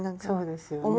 そうですよね。